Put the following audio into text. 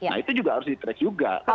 nah itu juga harus di trace juga